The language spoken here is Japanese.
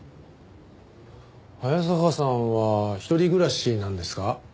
早坂さんは一人暮らしなんですか？